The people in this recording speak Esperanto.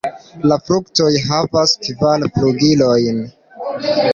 La fruktoj havas kvar flugilojn.